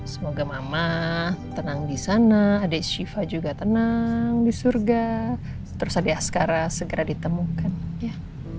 semoga mama tenang disana adik syifa juga tenang disurga terus adik askara segera ditemukan ya